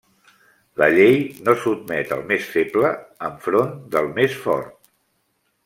La llei no sotmet el més feble enfront del més fort.